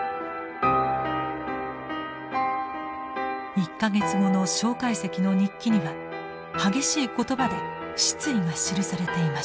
１か月後の介石の日記には激しい言葉で失意が記されていました。